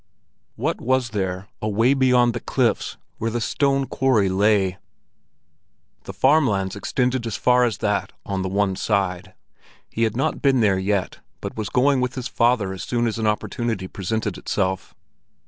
What was there away beyond the cliffs where the stone quarry lay? The farm lands extended as far as that on the one side. He had not been there yet, but was going with his father as soon as an opportunity presented itself.